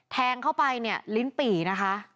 แทงเข้าไปเนี่ยลิ้นปี่นะคะ